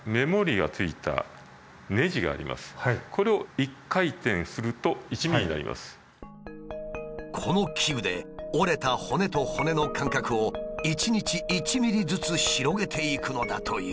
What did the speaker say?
ここにこの器具で折れた骨と骨の間隔を一日１ｍｍずつ広げていくのだという。